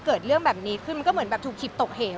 เกิดเรื่องแบบนี้ขึ้นมันก็เหมือนแบบถูกขิบตกเหว